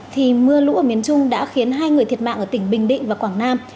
thì mưa lũ ở miền trung đã khiến hai người thiệt mạng ở tỉnh bình định và quảng nam